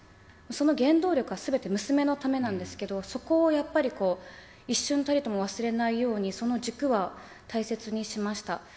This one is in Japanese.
その原動力はすべて娘のためなんですけど、そこをやっぱり、こう、一瞬たりとも忘れないように、その軸は大切にしました。